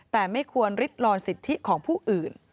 แต่ไม่ควรริดลอนสิทธิของผู้อื่น